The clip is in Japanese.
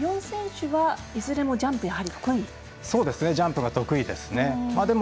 ４選手はいずれもジャンプジャンプは得意ですね。